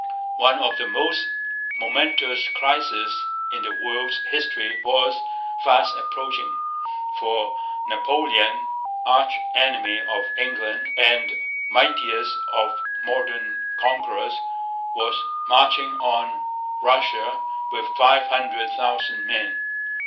One of the most momentous crises in the world's history was fast approaching; for Napoleon, arch enemy of England and mightiest of modern conquerors, was marching on Russia with five hundred thousand men.